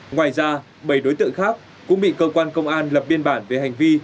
ngoài ra bảy đối tượng khác cũng bị cơ quan công an lập biên bản về hành vi